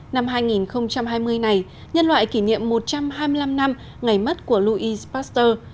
năm hai nghìn hai mươi này nhân loại kỷ niệm một trăm hai mươi năm năm ngày mất của louis pasteur